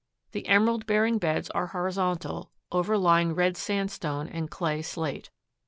The emerald bearing beds are horizontal, overlying red sandstone and clay slate.